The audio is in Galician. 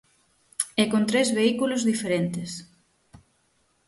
E con tres vehículos diferentes.